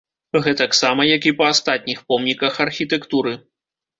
Гэтаксама як і па астатніх помніках архітэктуры.